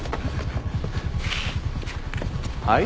はい？